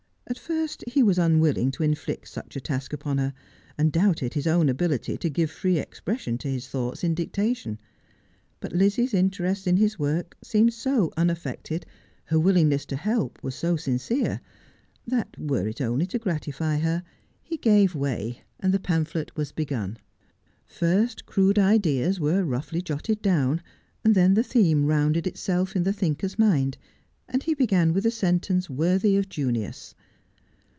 At first he was unwilling to inflict such a task upon her, and doubted his own ability to give free expression to his thoughts in dictation ; but Lizzie's interest in his work seemed so unaffected, her willingness to help was so sincere, that were it only to gratify her, he gave way, and the pamphlet was begun. First crude ideas were roughly jotted down, then the theme rounded itself in the thinker's mind and he began with a sentence worthy of Junius.